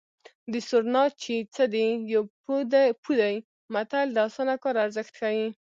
د سورناچي څه دي یو پو دی متل د اسانه کار ارزښت ښيي